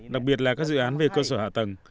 đặc biệt là các dự án về cơ sở hạ tầng